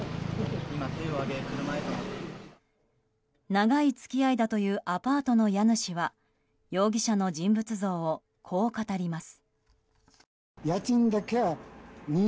長い付き合いだというアパートの家主は容疑者の人物像をこう語ります。